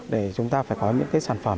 để chúng ta phải có những sản phẩm